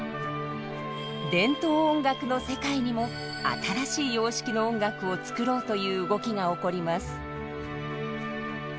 伝統音楽の世界にも新しい様式の音楽を作ろうという動きが起こります。